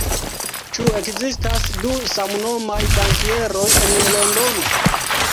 Ĉu ekzistas du samnomaj bankieroj en Londono?